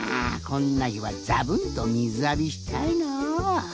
こんなひはざぶんとみずあびしたいなあ。